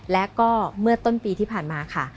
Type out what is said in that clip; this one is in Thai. และก็เมื่อต้นปีที่ผ่านมาค่ะ